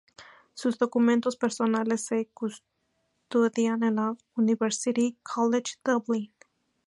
Sus documentos personales se custodian en la University College Dublin.